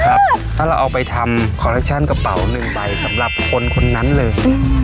ถ้าเราเอาไปทำคอลเลคชั่นกระเป๋าหนึ่งใบสำหรับคนคนนั้นเลย